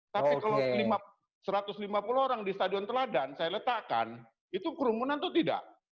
tapi kalau satu ratus lima puluh orang di stadion teladan saya letakkan itu kerumunan itu tidak